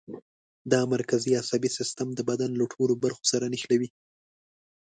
دا مرکزي عصبي سیستم د بدن له ټولو برخو سره نښلوي.